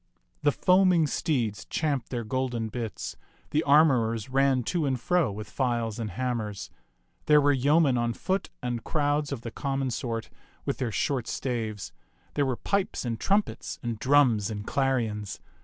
The foaming steeds champed their golden bits, the armorers ran to and fro with files and hammers. There were yeomen on foot and crowds of the common sort with their short staves. There were pipes and trumpets and drums and clarions.